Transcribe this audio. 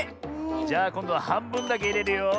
じゃあこんどははんぶんだけいれるよ。